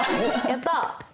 やった！